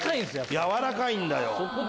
柔らかいんだよ。